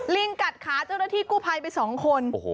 ลิงกัดขาเจ้าหน้าที่กู้ภัยไป๒คน